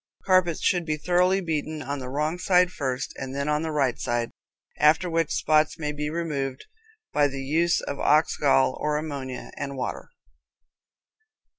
Carpets should be thoroughly beaten on the wrong side first and then on the right side, after which spots may be removed by the use of ox gall or ammonia and water.